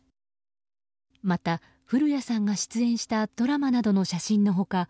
また、古谷さんが出演したドラマなどの写真の他